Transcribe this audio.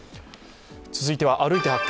続いては「歩いて発見！